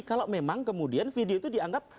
kalau memang kemudian video itu dianggap